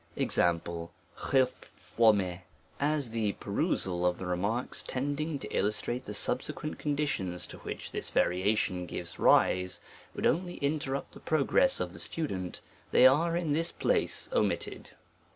Example. >\,< PERMUTATIONS OF LETTERS. ~ 49 i AS the perusal of the remarks tending to illus * trate the subsequent conditions to which this varia tion gives rise, would only interrupt the progress of the student, they are in this place omitted.